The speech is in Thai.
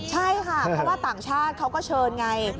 ใช่ค่ะเพราะว่าต่างชาติเขาก็เชิญไง